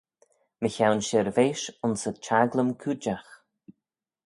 Mychione shirveish ayns y çhaglym-cooidjagh.